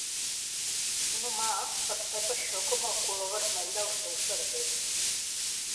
Un humà percep això com el color vermell del seu cervell.